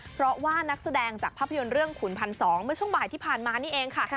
เพราะว่านักแสดงจากภาพยนตร์เรื่องขุนพันสองเมื่อช่วงบ่ายที่ผ่านมานี่เองค่ะ